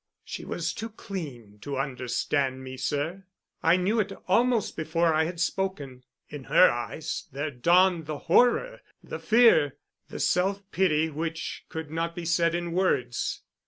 "She was too clean to understand me, sir. I knew it almost before I had spoken. In her eyes there dawned the horror, the fear, the self pity which could not be said in words.